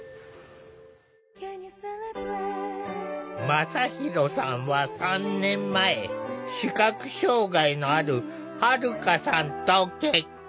真大さんは３年前視覚障害のあるはるかさんと結婚。